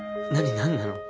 何なの？